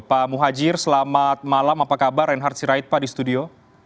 pak muhajir selamat malam apa kabar reinhard sirait pak di studio